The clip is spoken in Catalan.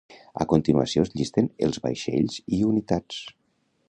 A continuació es llisten els vaixells i unitats.